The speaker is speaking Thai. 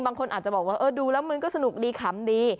บางคนจะบอกว่าดูแล้วก็สนุกมาก